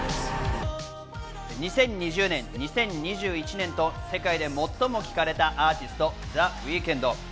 ２０２０年、２０２１年と世界で最も聴かれたアーティスト、ザ・ウィークエンド。